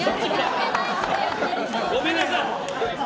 ごめんなさい。